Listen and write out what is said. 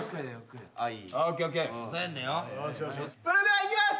それではいきます。